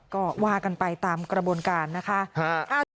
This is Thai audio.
ก็ว่ากันไปตามกระบวนการนะคะ